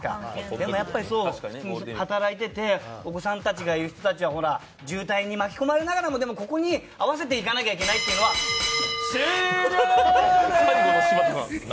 でも、普通に働いていて、お子さんたちがいる人たちは渋滞に巻き込まれながらも、ここに合わせていかないといけないというのは終了です！